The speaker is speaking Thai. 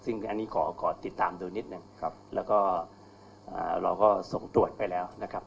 ซึ่งอันนี้ขอขอติดตามดูนิดหนึ่งครับแล้วก็เราก็ส่งตรวจไปแล้วนะครับ